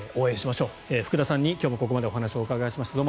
福田さんにここまでお話をお伺いしました。